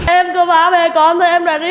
em có bá về con thôi em ra đi